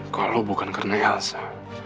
kalau bukan karena yelza